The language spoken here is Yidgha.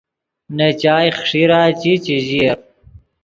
نے چائے خݰیرا چی، چے ژییف